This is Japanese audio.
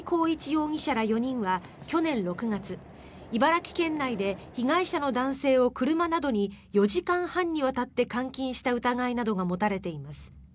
容疑者ら４人は去年６月、茨城県内で被害者の男性を車などに４時間半にわたって監禁した疑いなどが持たれています。